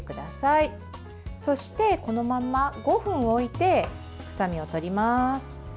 そして、このまま５分置いて臭みをとります。